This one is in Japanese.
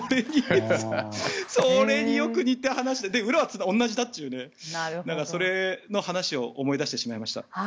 それによく似た話で裏は同じだと言ってその話を思い出してしまいました。